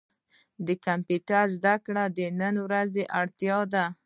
کمپيوټر زده کړه د نن ورځي اړتيا ده.